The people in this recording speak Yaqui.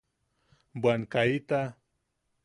¡¡Bwan kaita!!